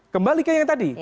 kembali ke yang tadi